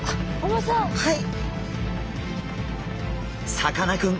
さかなクン